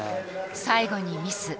最後にミス。